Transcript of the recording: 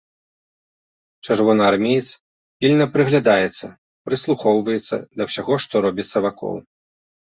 Чырвонаармеец пільна прыглядаецца, прыслухоўваецца да ўсяго, што робіцца вакол.